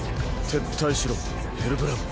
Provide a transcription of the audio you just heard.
撤退しろヘルブラム。